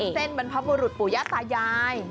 เป็นการเส้นบรรพบุรุษปู่ย่าตายาย